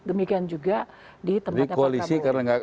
demikian juga di tempatnya pak kamu